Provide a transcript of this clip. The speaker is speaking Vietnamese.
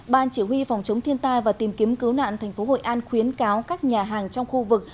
ban chỉ huy phòng chống thiên tai và tìm kiếm cứu nạn thành phố hội an khuyến cáo các nhà hàng trong khu vực